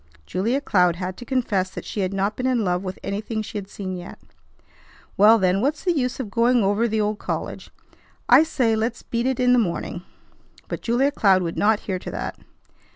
Julia Cloud had to confess that she had not been in love with anything she had seen yet. "Well, then, what's the use of going over the old college? I say let's beat it in the morning." But Julia Cloud would not hear to that.